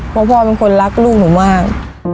เพราะพ่อเป็นคนรักลูกหนูมาก